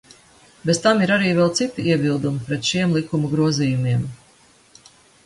Bez tam ir arī vēl citi iebildumi pret šiem likumu grozījumiem.